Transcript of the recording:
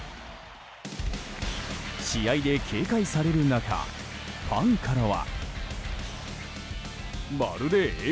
試合で警戒される中ファンからは。